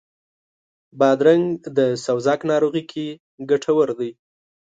بادرنګ د سوزاک ناروغي کې ګټور دی.